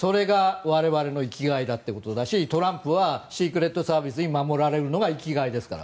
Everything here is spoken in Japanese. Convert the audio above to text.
それが我々の生きがいだということだしトランプはシークレットサービスに守られるのが生きがいですから。